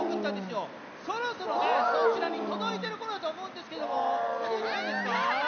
そろそろそちらにとどいてるころやとおもうんですけどもとどいてないですか？